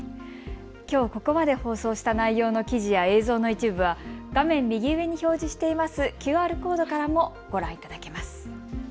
きょうここまで放送した内容の記事や映像の一部は画面右上に表示していますＱＲコードからもご覧いただけます。